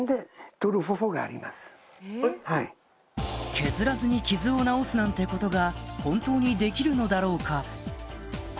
削らずに傷を直すなんてことが本当にできるのだろうか